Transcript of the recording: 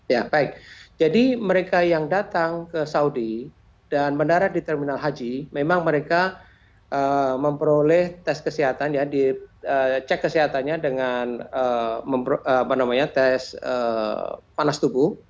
ya baik jadi mereka yang datang ke saudi dan mendarat di terminal haji memang mereka memperoleh tes kesehatannya dengan tes panas tubuh